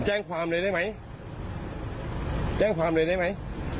แจ้งความเลยได้ไหมแจ้งความเลยได้ไหม